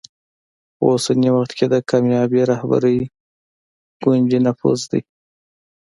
په اوسني وخت کې د کامیابې رهبرۍ کونجي نفوذ دی.